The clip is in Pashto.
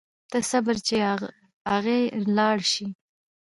ته صبر چې اغئ لاړ شي.